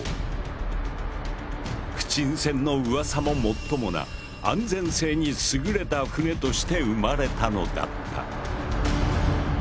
「不沈船」のウワサももっともな安全性に優れた船として生まれたのだった。